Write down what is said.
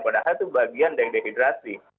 padahal itu bagian dari dehidrasi